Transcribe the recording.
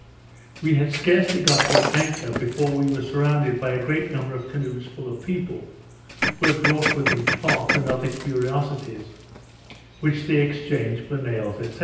We had scarcely got to an anchor before we were surrounded by a great number of canoes full of people, who had brought with them cloth, and other curiosities, which they exchanged for nails, &c.